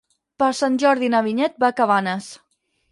Per Sant Jordi na Vinyet va a Cabanes.